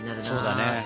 そうだね。